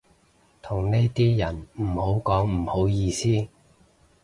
同呢啲人唔好講唔好意思